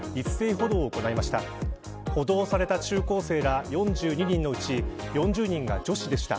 報道された中高生ら４２人のうち４０人が女子でした。